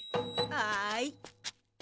はい。